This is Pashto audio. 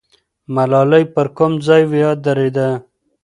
ملالۍ پر کوم ځای ودرېده؟